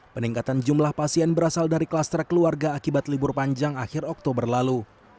peningkatan jumlah pasien berasal dari klaster keluarga akibat libur panjang akhir oktober lalu